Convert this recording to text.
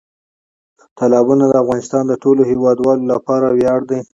تالابونه د افغانستان د ټولو هیوادوالو لپاره ویاړ دی.